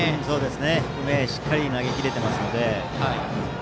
低めにしっかり投げ切れていますので。